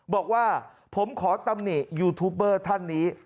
บอกว่าผมขอตำหนิยูทูปเบอร์ท่านนี้